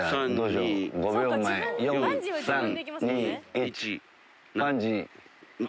５秒前４・３・２・１。